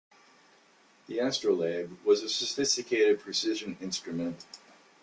The astrolabe was a sophisticated precision instrument.